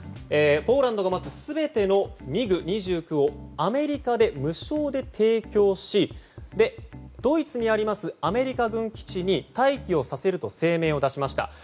ポーランドの持つ全てのＭｉＧ２９をアメリカで無償で提供しドイツにありますアメリカ軍基地に待機をさせると声明を出しました。